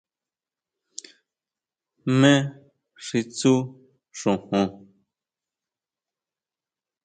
¿Jmé xi tsú xojon?